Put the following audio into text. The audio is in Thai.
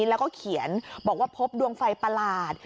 แล้วก็เขียนบอกว่าพบดวงไฟประหลาด